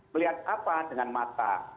melihat apa dengan mata